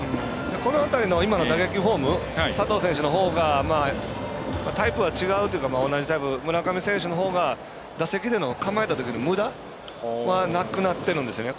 この辺りの今の打撃フォーム佐藤選手のほうがタイプは違うというか村上選手のほうが打席での、構えたときのむだはなくなってるんですよね。